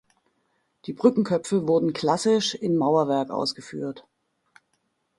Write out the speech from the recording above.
Die Brückenköpfe wurden klassisch in Mauerwerk ausgeführt.